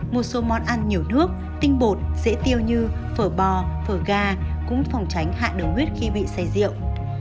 một số món ăn nhiều nước tinh bột dễ tiêu như phở bò phở ga cũng phòng tránh hạ đường huyết khi bị say rượu